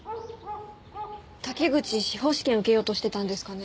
滝口司法試験受けようとしてたんですかね？